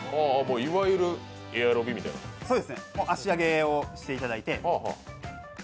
いわゆる足上げをしていただいて。